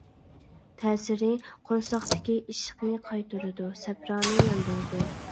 تەسىرى: قورساقتىكى ئىششىقنى قايتۇرىدۇ، سەپرانى ياندۇرىدۇ.